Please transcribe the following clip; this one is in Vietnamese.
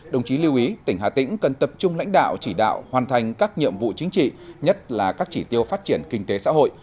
đồng chí lưu ý tỉnh hà tĩnh cần tập trung lãnh đạo chỉ đạo hoàn thành các nhiệm vụ chính trị nhất là các chỉ tiêu phát triển kinh tế xã hội